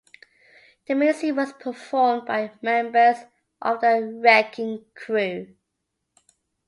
The music was performed by members of The Wrecking Crew.